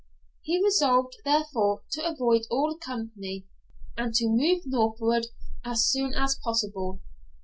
He resolved, therefore, to avoid all company, and to move northward as soon as possible.